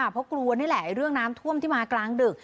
เพราะกลัวนี่แหละเรื่องน้ำท่วมที่มากลางดึก